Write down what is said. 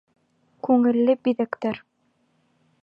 Күңелле биҙәктәр